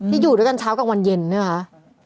ที่อยู่ด้วยกันเช้ากับวันเย็นเนี่ยคะ